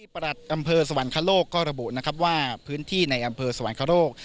ปรัชน์อำเภอสวรรคโลกก็ระบุว่าพื้นที่ในอำเภอสวรรคโลก